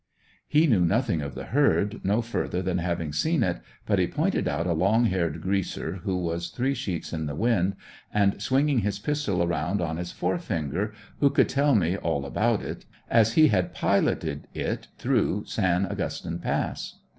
He knew nothing of the herd, no further than having seen it, but he pointed out a long haired "Greaser," who was three sheets in the wind and swinging his pistol around on his fore finger, who could tell me all about it, as he had piloted it through San Augustine Pass.